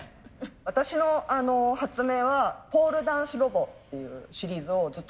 私の発明はポールダンスロボというシリーズをずっと作ってて。